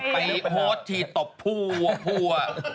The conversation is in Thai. ไปโพสต์ที่ตบพั่ว